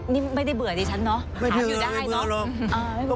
นี่ไม่ได้เบื่อดีฉันเนาะ